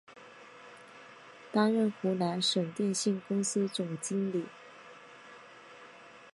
担任湖南省电信公司总经理。